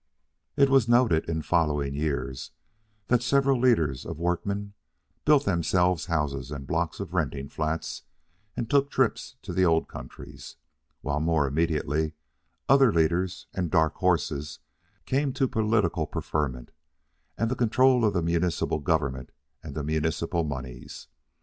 It was noted, in following years, that several leaders of workmen built themselves houses and blocks of renting flats and took trips to the old countries, while, more immediately, other leaders and "dark horses" came to political preferment and the control of the municipal government and the municipal moneys.